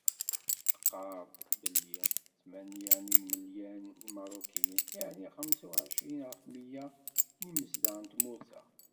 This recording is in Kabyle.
Teqqar-d belli tmanya n yimelyan n Yimerrukiyen, yeɛni xemsa u εecrin ɣef mya n yimezdaɣ n tmurt-a.